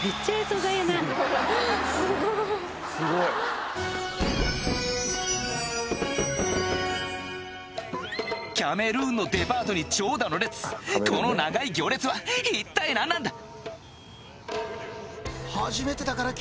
素材やなキャメルーンのデパートに長蛇の列この長い行列は一体何なんだ！？